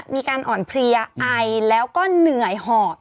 มีการอ่อนเพลียไอแล้วก็เหนื่อยหอบ